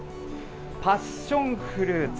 パッションフルーツ。